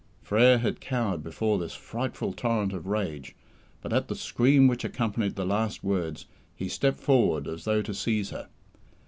Frere had cowered before this frightful torrent of rage, but, at the scream which accompanied the last words, he stepped forward as though to seize her.